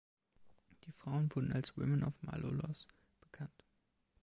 Die Frauen wurden als „Women of Malolos“ bekannt.